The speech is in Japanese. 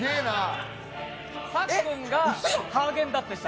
さっくんがハーゲンダッツでした。